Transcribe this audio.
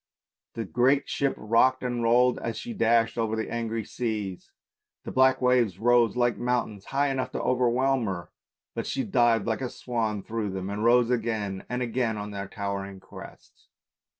The great ship rocked and rolled as she dashed over the angry sea, the black waves rose like mountains, high enough to overwhelm her, but she dived like a swan through them and rose again and again on their towering crests.